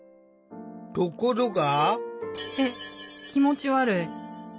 ところが。